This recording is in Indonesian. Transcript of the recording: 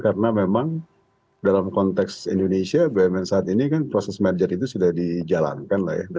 karena memang dalam konteks indonesia bumn saat ini kan proses merger itu sudah dijalankan lah ya